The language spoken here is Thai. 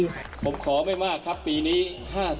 รัฐบาลนี้ใช้วิธีปล่อยให้จนมา๔ปีปีที่๕ค่อยมาแจกเงิน